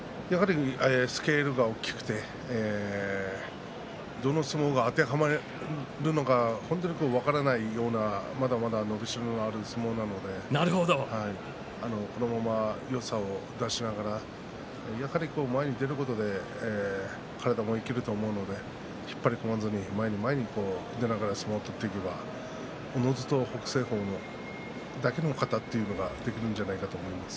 スケールが大きくてどの相撲が当てはまるのか分からないようなまだまだ伸びしろがある相撲なのでこのままよさを生かしながら前に出ることで体も生きると思うので引っ張り込まずに前に前に出ながら相撲を取っていくのかおのずと北青鵬だけの型ができると思います。